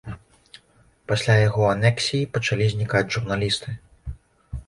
Пасля яго анексіі пачалі знікаць журналісты.